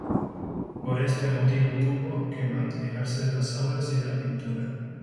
Por este motivo tuvo que alejarse de las aulas y de la pintura.